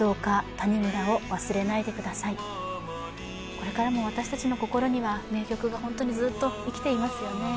これからも私たちの心には名曲がずっと生きていますよね。